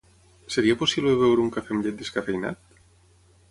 Seria possible beure un cafè amb llet descafeïnat?